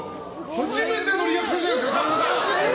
初めてのリアクションじゃないですか？